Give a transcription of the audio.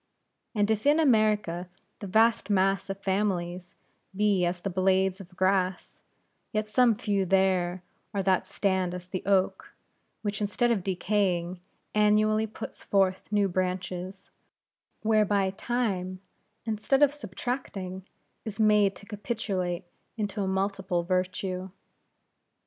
And if in America the vast mass of families be as the blades of grass, yet some few there are that stand as the oak; which, instead of decaying, annually puts forth new branches; whereby Time, instead of subtracting, is made to capitulate into a multiple virtue.